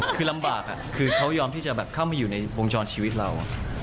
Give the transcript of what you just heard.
คือลำบากคือเขายอมที่จะแบบเข้ามาอยู่ในวงจรชีวิตเรา